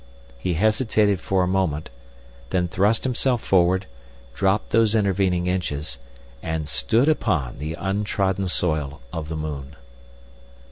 He hesitated for a moment, then thrust himself forward, dropped these intervening inches, and stood upon the untrodden soil of the moon.